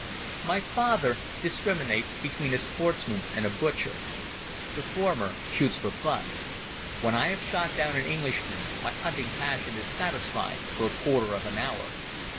My father discriminates between a sportsman and a butcher. The former shoots for fun. When I have shot down an Englishman my hunting passion is satisfied for a quarter of an hour.